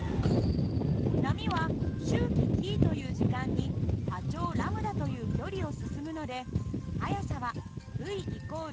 波は周期Ｔという時間に波長λという距離を進むので速さはυ＝。